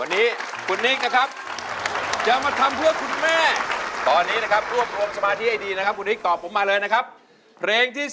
วันนี้คุณนิกนะครับจะมาทำเพื่อคุณแม่